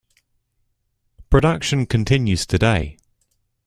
Production continues today.